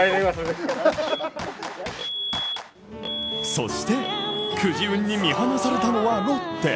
そして、くじ運に見放されたのはロッテ。